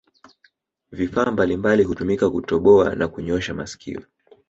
Vifaa mbalimbali hutumika kutoboa na kunyosha masikio